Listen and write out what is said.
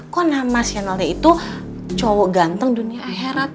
kok nama sionalnya itu cowok ganteng dunia akhirat